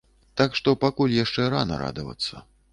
Так што пакуль яшчэ рана радавацца.